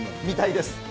みたいです。